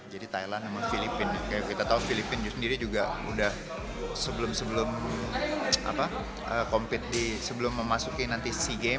jiu jitsu indonesia